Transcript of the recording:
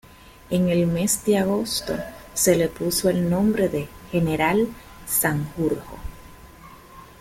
En el mes de agosto se le puso el nombre de "General Sanjurjo".